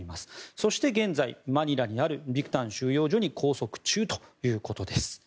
そして現在マニラにあるビクタン収容所に拘束中ということです。